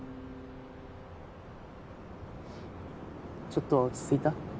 ちょっとは落ち着いた？